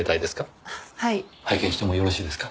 拝見してもよろしいですか？